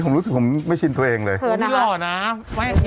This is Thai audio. ผมรู้สึกผมไม่ชินตัวเองเลยเกือบนะพี่หล่อนะไม่